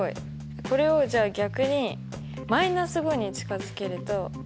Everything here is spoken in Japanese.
これをじゃあ逆に−５に近づけると。